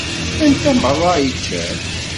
Anta meṛṛa i yeččan?